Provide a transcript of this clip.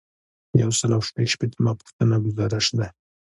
یو سل او شپږ شپیتمه پوښتنه ګزارش دی.